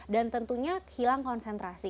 dan tentunya hilang konsentrasi